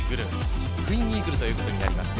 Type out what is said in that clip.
チップインイーグルということになりました。